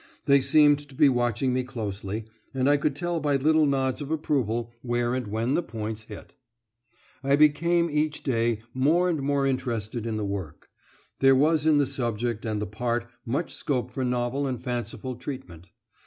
They seemed to be watching me closely, and I could tell by little nods of approval where and when the points hit. I became each day more and more interested in the work; there was in the subject and the part much scope for novel and fanciful treatment.